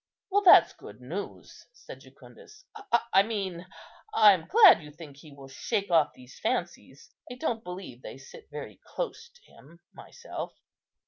"Well, that's good news," said Jucundus; "I mean, I am glad you think he will shake off these fancies. I don't believe they sit very close to him myself."